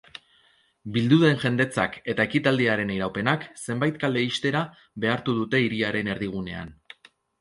Bildu den jendetzak eta ekitaldiaren iraupenak zenbait kale ixtera behartu dute hiriaren erdigunean.